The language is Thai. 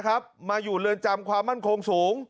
มาอยู่เรือนจำความมั่นคงสูง